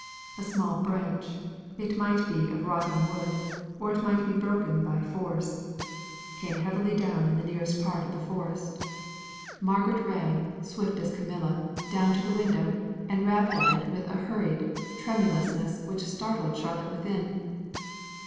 A small branch it might be of rotten wood, or it might be broken by force came heavily down in the nearest part of the forest; Margaret ran, swift as Camilla, down to the window, and rapped at it with a hurried tremulousness which startled Charlotte within.